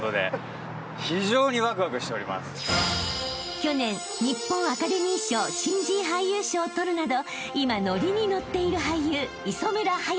［去年日本アカデミー賞新人俳優賞を取るなど今のりにのっている］